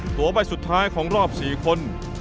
ตัวใบสุดท้ายของรอบ๔คน